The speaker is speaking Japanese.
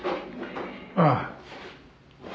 ああ。